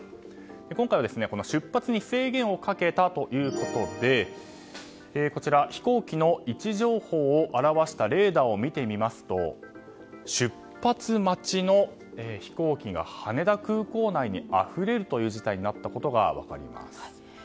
今回は、出発に制限をかけたということで飛行機の位置情報を表したレーダーを見てみますと出発待ちの飛行機が羽田空港内にあふれるという事態になったことが分かります。